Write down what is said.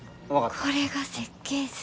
これが設計図。